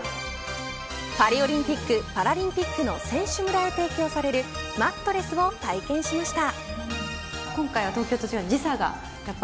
パリオリンピック・パラリンピックの選手村へ提供されるマットレスを体験しました。